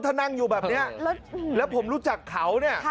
ถ้านั่งอยู่แบบนี้แล้วผมรู้จักเขาเนี่ย